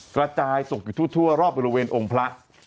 กระจายตกอยู่ทั่วรอบบริเวณองค์พระ